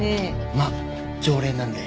まあ常連なんで。